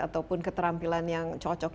ataupun keterampilan yang cocok